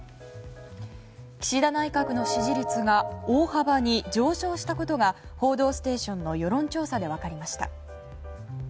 岸田内閣の支持率が大幅に上昇したことが「報道ステーション」の世論調査で分かりました。